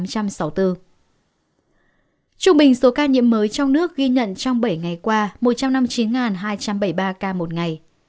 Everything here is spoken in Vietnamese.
trung bình số ca nhiễm mới trong nước ghi nhận trong bảy ngày qua một trăm năm mươi chín hai trăm bảy mươi ba ca một ngày